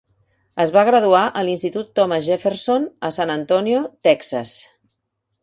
Es va graduar a l'Institut Thomas Jefferson a San Antonio, Texas.